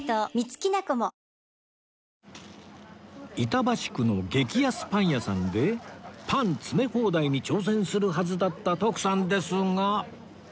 板橋区の激安パン屋さんでパン詰め放題に挑戦するはずだった徳さんですが